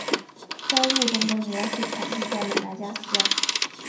该物种的模式产地在马达加斯加。